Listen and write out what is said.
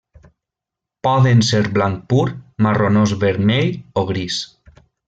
Poden ser blanc pur, marronós vermell o gris.